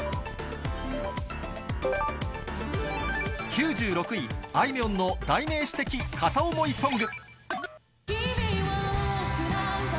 ９６位、あいみょんの代名詞的片思いソング。